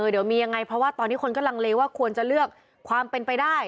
เดี๋ยวมียังไงเพราะว่าตอนนี้คนก็ลังเลว่าควรจะเลือกความเป็นไปได้